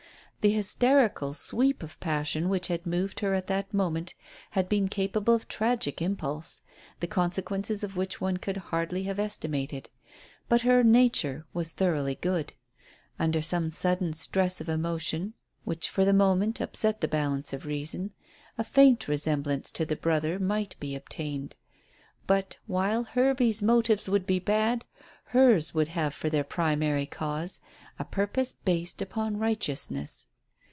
The hysterical sweep of passion which had moved her at that moment had been capable of tragic impulse, the consequences of which one could hardly have estimated. But her nature was thoroughly good. Under some sudden stress of emotion, which for the moment upset the balance of reason, a faint resemblance to the brother might be obtained. But while Hervey's motives would be bad, hers would have for their primary cause a purpose based upon righteousness.